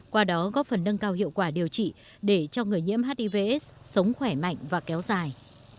qua đó góp phần nâng cao hiệu quả điều trị để cho người nhiễm hivs sống khỏe mạnh và kéo dài